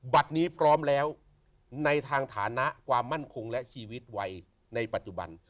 นี้พร้อมแล้วในทางฐานะความมั่นคงและชีวิตวัยในปัจจุบัน